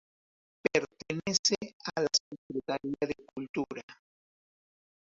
Pertenece a la Secretaría de Cultura.